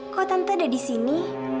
kau tante ada di sini